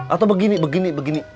atau begini begini begini